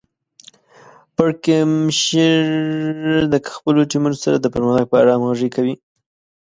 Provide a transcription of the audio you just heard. پړکمشر د خپلو ټیمونو سره د پرمختګ په اړه همغږي کوي.